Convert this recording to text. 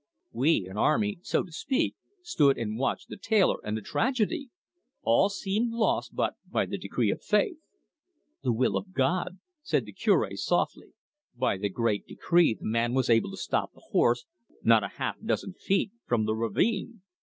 We, an army, so to speak, stood and watched the Tailor and the Tragedy! All seemed lost, but, by the decree of fate " "The will of God," said the Cure softly. "By the great decree, the man was able to stop the horse, not a half dozen feet from the ravine.